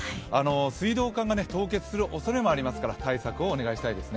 水道管が凍結するおそれもありますから対策をお願いしたいですね。